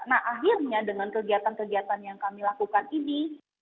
nah akhirnya dengan kegiatan kegiatan yang kami lakukan ini